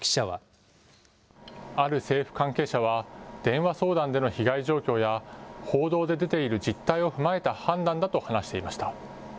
ある政府関係者は、電話相談での被害状況や、報道で出ている実態を踏まえた判断だと話していました。